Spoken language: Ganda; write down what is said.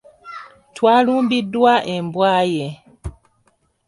Twalumbiddwa embwa ye.